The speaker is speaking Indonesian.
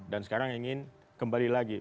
dan sekarang ingin kembali lagi